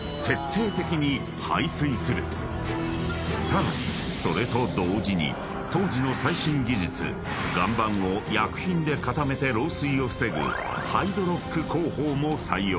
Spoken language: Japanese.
［さらにそれと同時に当時の最新技術岩盤を薬品で固めて漏水を防ぐハイドロック工法も採用］